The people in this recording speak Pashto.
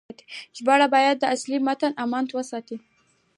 ژباړه باید د اصلي متن امانت وساتي.